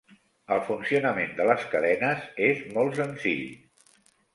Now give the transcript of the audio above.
El funcionament de les cadenes és molt senzill.